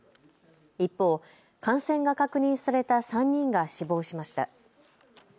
一方、感染が確認された３人が死亡しました。